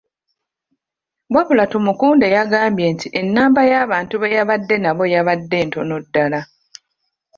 Wabula Tumukunde yagambye nti ennamba y'abantu be yabadde nabo yabadde ntono ddala .